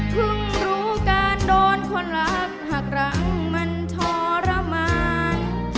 เพิ่งรู้การโดนคนรักหากรั้งมันทรมาน